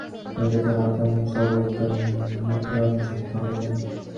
নইলে তার হাত এমন সবল, তার মুঠো এমন শক্ত হবে কেন?